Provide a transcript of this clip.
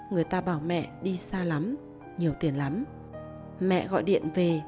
gửi mẹ của con